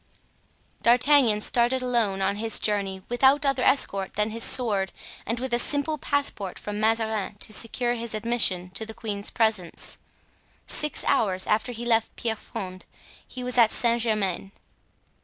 D'Artagnan started alone on his journey, without other escort than his sword, and with a simple passport from Mazarin to secure his admission to the queen's presence. Six hours after he left Pierrefonds he was at Saint Germain.